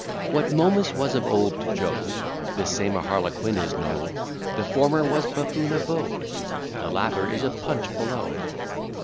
What Momus was of old to Jove, The same a Harlequin is now; The former was buffoon above, The latter is a Punch below.